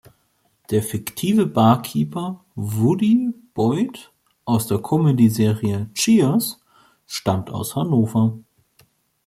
Der fiktive Barkeeper Woody Boyd aus der Comedyserie Cheers stammt aus Hanover.